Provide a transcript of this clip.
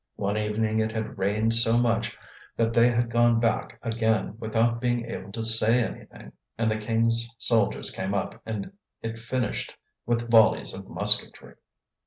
One evening it had rained so much that they had gone back again without being able to say anything, and the king's soldiers came up and it finished with volleys of musketry.